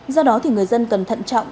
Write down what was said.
do đó thì người dân cần thận trọng